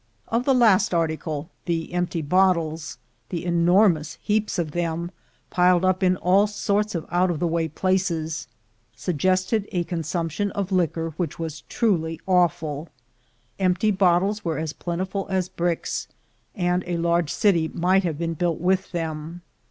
Of the last article — the empty bottles — the enor mous heaps of them, piled up in all sorts of out of the way places, suggested a consumption of liquor which was truly awful. Empty bottles were as plen tiful as bricks — and a large city might have been built with them.